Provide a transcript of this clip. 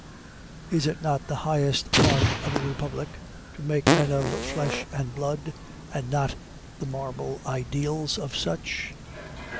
Is it not the highest art of a Republic to make men of flesh and blood, and not the marble ideals of such?